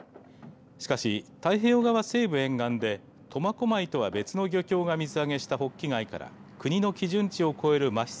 しかし、太平洋側西部沿岸で苫小牧とは別の漁業が水揚げしたホッキ貝から国の基準値を超えるまひ